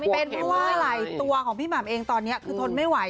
เป็นเพราะว่าอะไรตัวของพี่หม่ำเองตอนนี้คือทนไม่ไหว